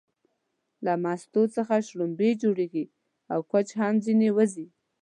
له مستو څخه شلومبې جوړيږي او کوچ هم ځنې وځي